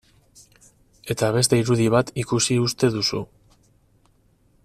Eta beste irudi bat ikusi uste duzu...